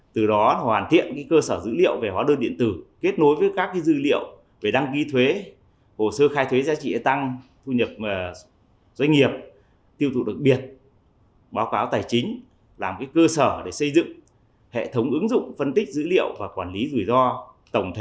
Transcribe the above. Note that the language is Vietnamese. từ đó hoàn thiện cơ sở dữ liệu về hóa đơn điện tử kết nối với các dữ liệu về đăng ký thuế hồ sơ khai thuế giá trị tăng thu nhập doanh nghiệp tiêu thụ đặc biệt báo cáo tài chính làm cơ sở để xây dựng hệ thống ứng dụng phân tích dữ liệu và quản lý rủi ro tổng thể